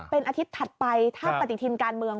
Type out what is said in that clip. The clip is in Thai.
เป็นอาทิตย์ถัดไปถ้าปฏิทินการเมือง